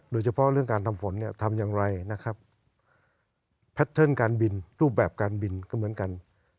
โดยเฉพาะเรื่องการทำฝนเนี่ยทำอย่างไรนะครับแพทเทิร์นการบินรูปแบบการบินก็เหมือนกัน